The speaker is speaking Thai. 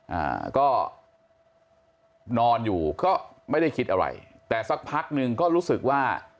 อ่าก็นอนอยู่ก็ไม่ได้คิดอะไรแต่สักพักหนึ่งก็รู้สึกว่า